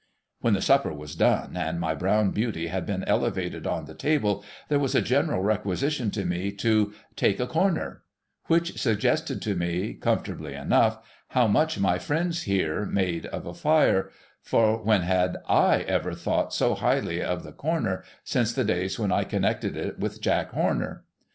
When supper was done, and my brown beauty had been elevated on the table, there was a general requisition to me to ' take the corner ;' which suggested to me comfortably enough how much my friends here made of a fire, — for when had / ever thought so highly of the corner, since the days when I connected it with Jack Horner